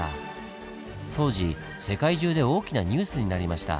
当時世界中で大きなニュースになりました。